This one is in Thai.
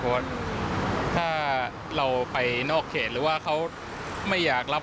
เพราะว่าถ้าเราไปนอกเขตหรือว่าเขาไม่อยากรับ